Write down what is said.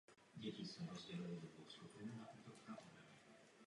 Dnes v ní sídlí Hotel Evropa.